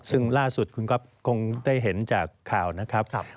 ซึ่งล่าสุดคุณก๊อฟคงได้เห็นจากข่าวนะครับ